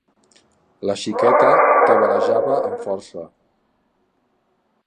La xiqueta tabalejava amb força.